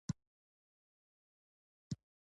د بریالیتوب لپاره